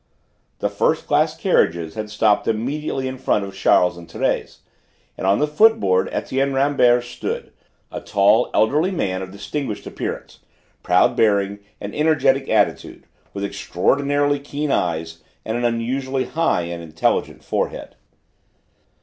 The first class carriages had stopped immediately in front of Charles and Thérèse, and on the footboard Etienne Rambert stood, a tall, elderly man of distinguished appearance, proud bearing and energetic attitude, with extraordinarily keen eyes and an unusually high and intelligent forehead.